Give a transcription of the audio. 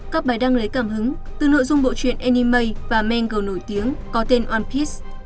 các bài đăng lấy cảm hứng từ nội dung bộ truyện anime và manga nổi tiếng có tên one piece